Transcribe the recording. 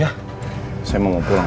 nanti setelah semuanya jelas